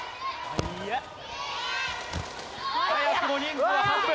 速え！早くも人数は半分。